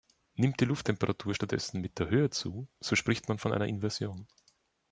Nimmt die Lufttemperatur stattdessen mit der Höhe zu, so spricht man von einer Inversion.